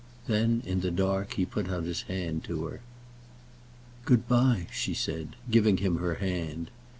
Then in the dark he put out his hand to her. "Good by," she said, giving him her hand.